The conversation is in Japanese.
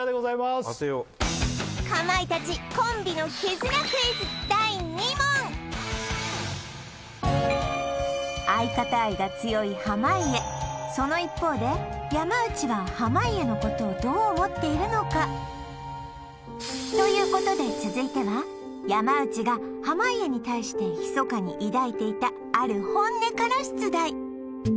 当てようその一方で山内は濱家のことをどう思っているのか？ということで続いては山内が濱家に対してひそかに抱いていたある本音から出題